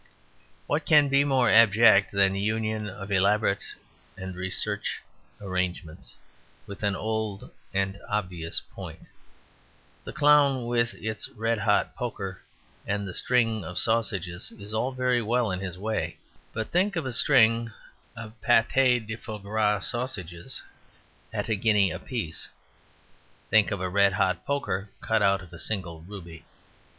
What can be more abject than the union of elaborate and recherche arrangements with an old and obvious point? The clown with the red hot poker and the string of sausages is all very well in his way. But think of a string of pate de foie gras sausages at a guinea a piece! Think of a red hot poker cut out of a single ruby!